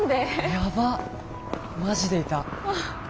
やばマジでいた。